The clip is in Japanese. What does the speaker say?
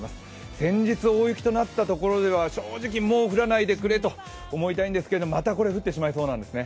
先日大雪となったところは、正直もう降らないでくれと思いますがまた降ってしまいそうなんです。